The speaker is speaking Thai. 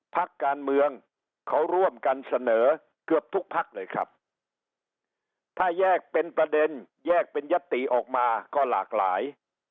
พักการเมืองเขาร่วมกันเสนอเกือบทุกพักเลยครับถ้าแยกเป็นประเด็นแยกเป็นยัตติออกมาก็หลากหลาย